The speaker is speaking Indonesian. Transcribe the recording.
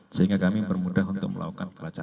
sehingga kami bermudah untuk melakukan pelacakan